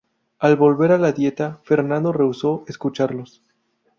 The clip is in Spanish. Al volver a la Dieta, Fernando rehusó escucharlos.